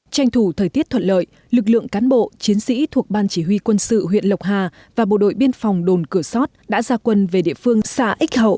tranh thủ thời tiết thuận lợi lực lượng cán bộ chiến sĩ thuộc ban chỉ huy quân sự huyện lộc hà và bộ đội biên phòng đồn cửa sót đã ra quân về địa phương xã x hậu